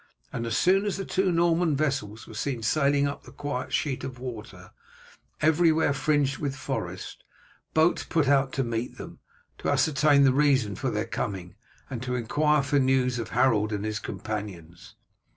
As soon as the two Norman vessels were seen sailing up the quiet sheet of water, everywhere fringed with forest, boats put out to meet them, to ascertain the reason of their coming and to inquire for news of Harold and his companions.